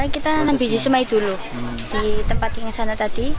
kita menanam biji semai dulu di tempat yang sana tadi